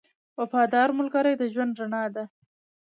• وفادار ملګری د ژوند رڼا ده.